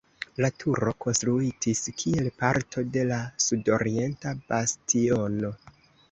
La turo konstruitis kiel parto de la sudorienta bastiono.